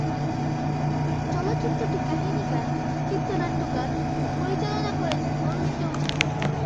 চলচ্চিত্রটির কাহিনীকার, চিত্রনাট্যকার ও পরিচালনা করেছেন অরুণ চৌধুরী।